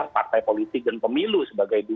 partai politik dan pemilu sebagai